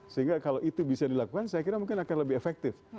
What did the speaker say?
sehingga kalau itu bisa dilakukan saya kira mungkin akan lebih efektif